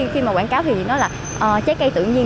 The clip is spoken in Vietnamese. khi mà quảng cáo thì nó là trái cây tự nhiên